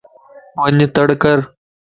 وڃ تڙڪَر